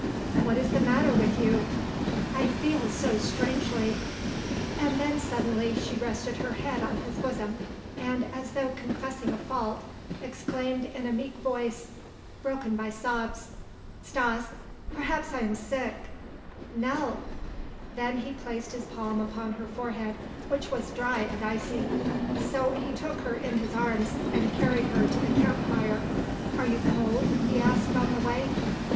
"What is the matter with you?" "I feel so strangely " And then suddenly she rested her head on his bosom and as though confessing a fault, exclaimed in a meek voice, broken by sobs: "Stas, perhaps I am sick " "Nell!" Then he placed his palm upon her forehead which was dry and icy. So he took her in his arms and carried her to the camp fire. "Are you cold?" he asked on the way.